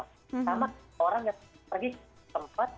sama orang yang pergi ke tempat